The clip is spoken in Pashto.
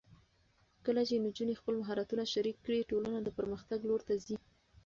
کله چې نجونې خپل مهارتونه شریک کړي، ټولنه د پرمختګ لور ته ځي.